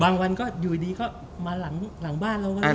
บางวันก็อยู่ดีก็มาหลังบ้านเราก็ไม่รู้เนอะ